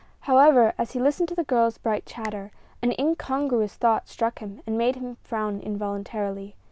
However, as he listened to the girl's bright chatter, an incongruous thought struck him and made him frown involuntarily.